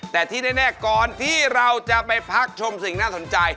แต่ที่แน่ก่อนที่เราจะไปพักชมสิ่งน่าสนใจ